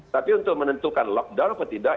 tapi untuk menentukan lockdown atau tidak